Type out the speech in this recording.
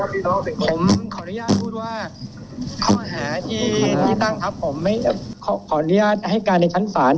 ผมขออนุญาตช่วยชี่ตั้งครับผมขออนุญาตให้กันในชั้นศาล